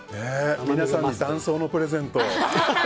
皆さんに断層のプレゼント。